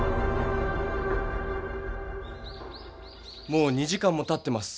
もう２時間もたってます。